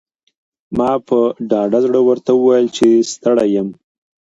ما په ډاډه زړه ورته وویل چې ستړی یم.